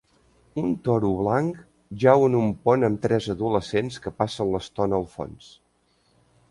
Un toro blanc jau en un pont amb tres adolescents que passen l'estona al fons.